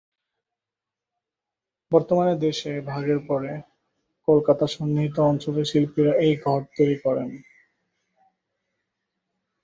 বর্তমানে দেশে ভাগের পরে কলকাতা সন্নিহিত অঞ্চলে শিল্পীরা এই ঘট তৈরি করেন।